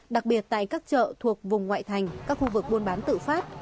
đặc biệt tại các chợ thuộc vùng ngoại thành các khu vực buôn bán tự phát